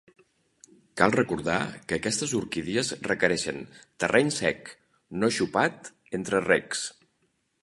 Cal recordar que aquestes orquídies requereixen terreny sec, no xopat, entre regs.